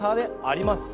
あります。